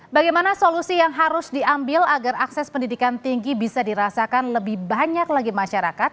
bagaimana solusi yang harus diambil agar akses pendidikan tinggi bisa dirasakan lebih banyak lagi masyarakat